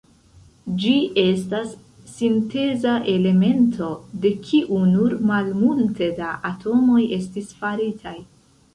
Ĝi estas sinteza elemento, de kiu nur malmulte da atomoj estis faritaj.